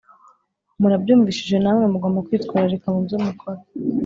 Murabyumvishije namwe mugomba kwitwararika mubyo mukora